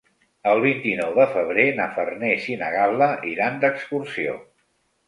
El vint-i-nou de febrer na Farners i na Gal·la iran d'excursió.